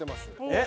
えっ？